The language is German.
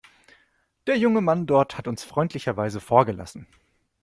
Der junge Mann dort hat uns freundlicherweise vorgelassen.